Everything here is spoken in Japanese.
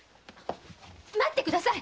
待ってください！